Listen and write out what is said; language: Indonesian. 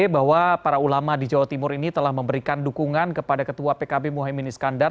bahwa para ulama di jawa timur ini telah memberikan dukungan kepada ketua pkb muhaymin iskandar